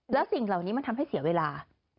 แล้วสิ่งเหล่านี้มันทำให้เสียเวลา